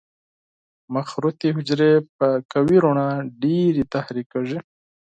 مخروطي حجرې په قوي رڼا ډېرې تحریکېږي.